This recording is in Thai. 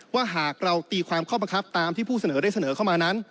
ว่าหากเราตีความข้อบังคับตามที่ผู้เสนอได้เสนอเข้ามานั้น